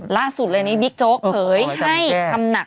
ล่าสุดเลยนี้บิ๊กโจ๊กเผยให้คำหนัก